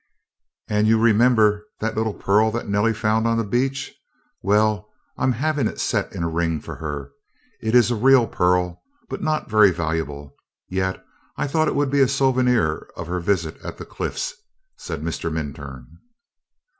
"And you remember that little pearl that Nellie found on the beach? Well, I'm having it set in a ring for her. It is a real pearl, but not very valuable, yet I thought it would be a souvenir of her visit at the Cliffs," said Mr. Minturn.